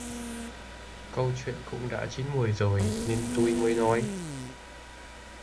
Câu chuyện cũng đã chín muồi rồi nên tui mới nói